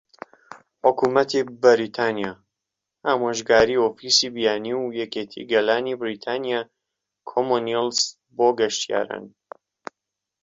حکومەتی بەریتانیا، - ئامۆژگاری ئۆفیسی بیانی و یەکێتی گەلانی بەریتانیا کۆمونیڵس بۆ گەشتیاران